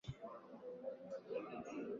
Tunda la mama.